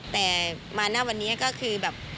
แต่มาณวันนี้ก็คือแบบ